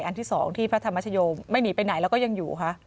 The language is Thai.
อันที่๒ที่พระธรรมชโยมไม่หนีไปไหนแล้วก็ยังอยู่ค่ะ